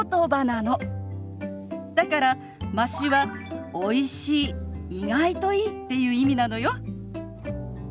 だから「まし」は「おいしい」「意外といい」っていう意味なのよ。